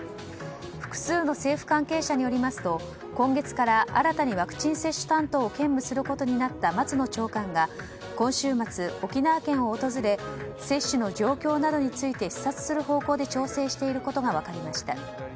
複数の政府関係者によりますと今月から新たにワクチン接種担当を兼務することになった松野長官が今週末、沖縄県を訪れ接種の状況などについて視察する方向で調整していることが分かりました。